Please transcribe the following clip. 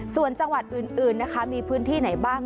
ส่วนจังหวัดอื่นนะคะมีพื้นที่ไหนบ้าง